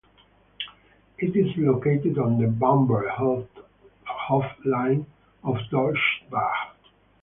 It is located on the Bamberg–Hof line of Deutsche Bahn.